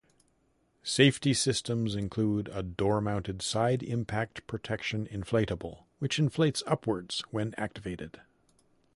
Safety systems include a door-mounted side impact protection inflatable which inflates upward when activated.